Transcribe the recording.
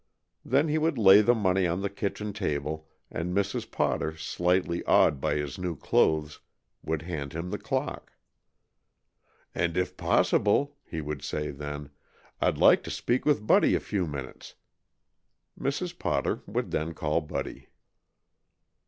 Then he would lay the money on the kitchen table, and Mrs. Potter, slightly awed by his new clothes, would hand him the clock. "And if possible," he would say then, "I'd like to speak with Buddy a few minutes." Mrs. Potter would then call Buddy.